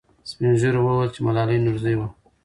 سپین ږیرو وویل چې ملالۍ نورزۍ وه.